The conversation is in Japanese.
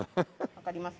わかります？